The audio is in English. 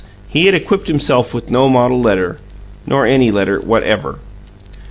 he had equipped himself with no model letter, nor any letter whatever.